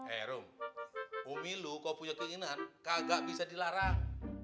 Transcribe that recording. eh rom umi lo kalau punya keinginan nggak bisa dilarang